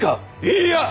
いいや！